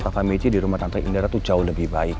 kakak mici di rumah tante indira tuh jauh lebih baik